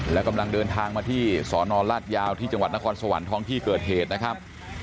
และกำลังเดินทางมาที่สนราชยาวที่จังหวัดนครสวรรค์ท้องที่เกิดเหตุนะครับ